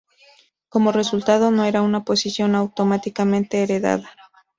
Como resultado, no era una posición automáticamente heredada.